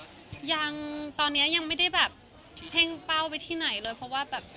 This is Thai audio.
ยังตอนนี้ยังไม่ได้แบบเพ่งเป้าไปที่ไหนเลยเพราะว่าแบบ